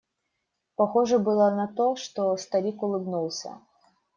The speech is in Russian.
Похоже было на то, что старик улыбнулся.